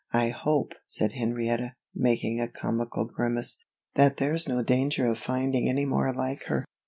"I hope," said Henrietta, making a comical grimace, "that there's no danger of finding any more like her.